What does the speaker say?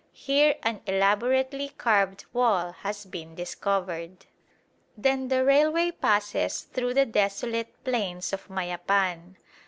Here an elaborately carved wall has been discovered. Then the railway passes through the desolate plains of Mayapan.